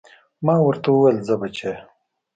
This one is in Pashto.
ما ورته وويل ځه بچيه.